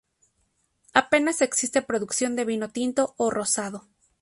Apenas existe producción de vino tinto o rosado.